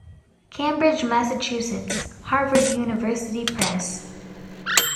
Cambridge, Massachusetts: Harvard University Press.